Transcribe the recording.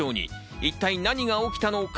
一体何が起きたのか。